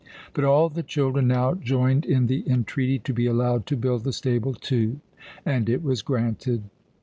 But all the children now joined in the entreaty to be allowed to build the stable too, and it was granted.